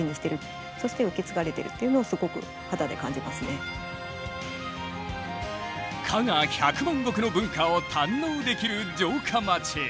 そこをやっぱり加賀百万石の文化を堪能できる城下町。